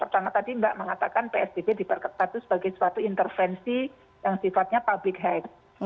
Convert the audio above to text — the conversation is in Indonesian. pertama tadi mbak mengatakan psbb diberkati sebagai suatu intervensi yang sifatnya public health